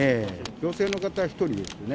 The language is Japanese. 女性の方１人ですね。